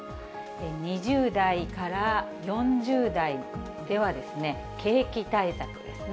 ２０代から４０代では、景気対策ですね。